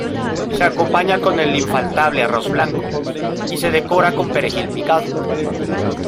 Se acompaña con el infaltable arroz blanco, y se decora con perejil picado.